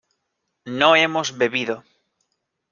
no hemos bebido